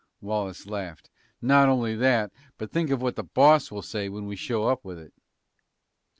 Wallace laughed. "Not only that, but think of what the boss will say when we show up with it!"